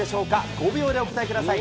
５秒でお答えください。